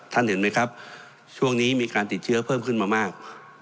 เห็นไหมครับช่วงนี้มีการติดเชื้อเพิ่มขึ้นมามาก